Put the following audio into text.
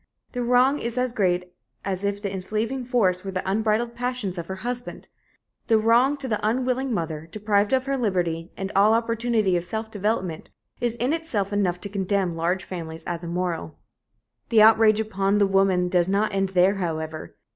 The wrong is as great as if the enslaving force were the unbridled passions of her husband. The wrong to the unwilling mother, deprived of her liberty, and all opportunity of self development, is in itself enough to condemn large families as immoral. The outrage upon the woman does not end there, however.